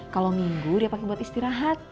kalau minggu dia pakai buat istirahat